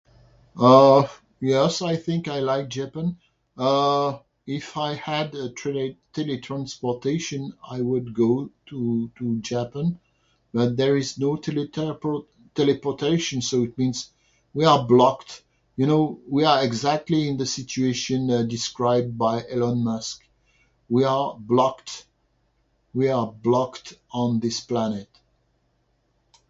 Uh, yes I think I like Japan. Uh, if I had a trala- tele- transportation I would go to to Japan. But there is no tele- tele- teleportation so it means we are blocked. You know, we are exactly in the situation, uh, described by Elon Musk. We are blocked. We are blocked on this planet.